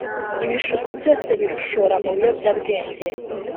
ibishuko byose birushora mu biyobyabwenge.